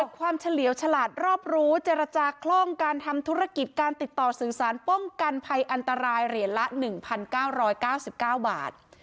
ความเฉลียวฉลาดรอบรู้เจรจาคล่องการทำธุรกิจการติดต่อสื่อสารป้องกันภัยอันตรายเหรียญละหนึ่งพันเก้าร้อยเก้าสิบเก้าบาท